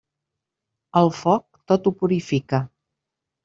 El foc, tot ho purifica.